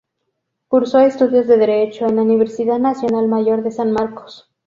Cursó estudios de Derecho en la Universidad Nacional Mayor de San Marcos.